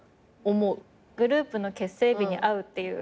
グループの結成日に会うっていう。